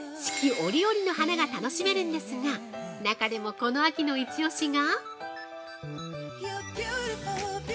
折々の花が楽しめるんですが中でも、この秋のイチオシが！